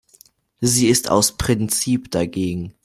Sie ist aus Prinzip dagegen.